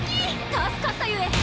助かったゆえ！